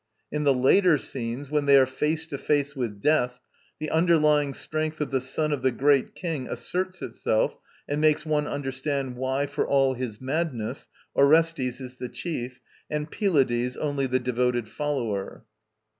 In the later scenes, when they are face to face with death, the underlying strength of the son of the Great King asserts itself and makes one understand why, for all his madness, Orestes is the chief, and Pylades only the devoted follower.